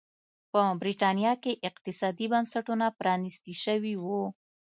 په برېټانیا کې اقتصادي بنسټونه پرانيستي شوي وو.